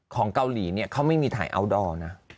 ของเกาหลีเนี่ยเขาไม่มีถ่ายอัลดอร์นะ